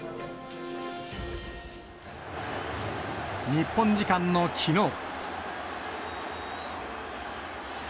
日本時間のきのう。